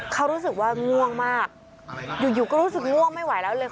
เขารู้สึกว่าง่วงมากอยู่ก็รู้สึกง่วงไม่ไหวแล้วเลยค่ะ